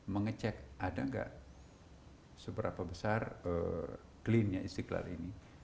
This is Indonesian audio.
mengecek ada nggak seberapa besar clean nya istiqlal ini